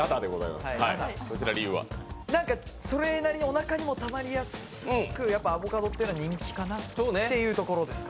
それなりにおなかにもたまりやすく、アボカドというのは人気かなっていうところです。